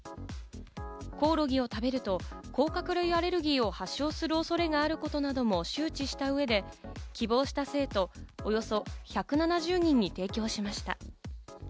コオロギを食べると甲殻類アレルギーを発症する恐れがあることなども周知した上で、希望した生徒およそ１７０人に提供しました。